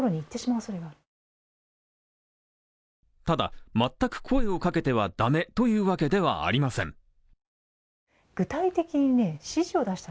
ただ、全く声をかけては駄目というわけではありません。